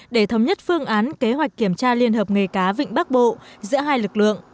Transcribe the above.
để thống nhất phương án kế hoạch kiểm tra liên hợp nghề cá vịnh bắc bộ giữa hai lực lượng